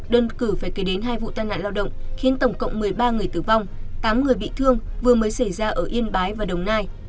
đơn cử phải kể đến hai vụ tai nạn lao động khiến tổng cộng một mươi ba người tử vong tám người bị thương vừa mới xảy ra ở yên bái và đồng nai